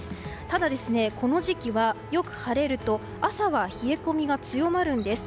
ただ、この時期はよく晴れると朝は冷え込みが強まるんです。